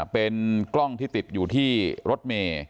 เป็นกล้องที่ติดอยู่ที่รถเมย์